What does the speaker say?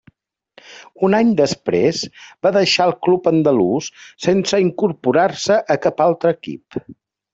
Un any després, va deixar el club andalús, sense incorporar-se a cap altre equip.